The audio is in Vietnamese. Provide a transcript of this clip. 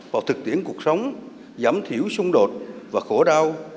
vào thực tiễn cuộc sống giảm thiểu xung đột và khổ đau